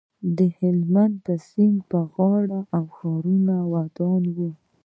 د هلمند سیند په غاړه ښارونه ودان وو